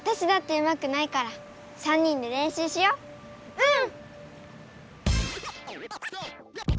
うん！